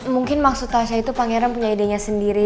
mungkin maksud tasha itu pangeran punya ide nya sendiri